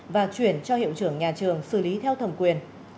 và chuyển cho hiệu trưởng nhà trường xử lý theo thẩm quyền